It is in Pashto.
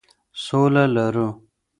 سوله لرو.